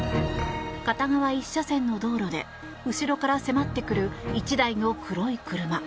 片側１車線の道路で、後ろから迫ってくる１台の黒い車。